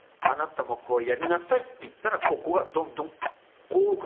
あなたもこうやりなさいって言ったらここがどんどんこう。